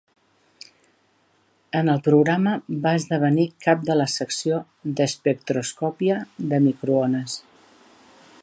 En el programa va esdevenir cap de la secció d'espectroscòpia de microones.